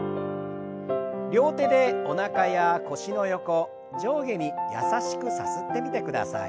両手でおなかや腰の横上下に優しくさすってみてください。